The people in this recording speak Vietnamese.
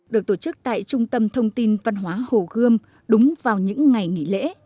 được tổ chức tại trung tâm thông tin văn hóa hồ gươm đúng vào những ngày nghỉ lễ